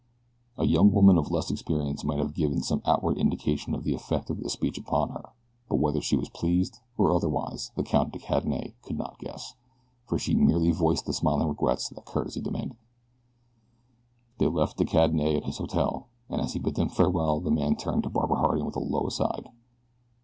A young woman of less experience might have given some outward indication of the effect of this speech upon her, but whether she was pleased or otherwise the Count de Cadenet could not guess, for she merely voiced the smiling regrets that courtesy demanded. They left De Cadenet at his hotel, and as he bid them farewell the man turned to Barbara Harding with a low aside.